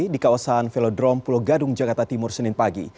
di kawasan velodrome pulau gadung jakarta timur senin pagi